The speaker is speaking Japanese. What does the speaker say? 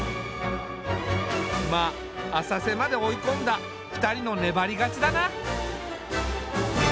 まあ浅瀬まで追い込んだ２人の粘り勝ちだな。